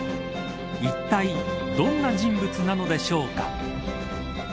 いったいどんな人物なのでしょうか。